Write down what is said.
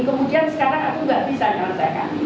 kemudian sekarang aku nggak bisa nyelesaikan ini